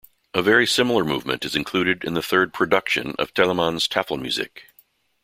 A very similar movement is included in the third "Production" of Telemann's "Tafelmusik".